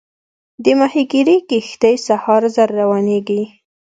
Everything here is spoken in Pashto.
د ماهیګیري کښتۍ سهار زر روانېږي.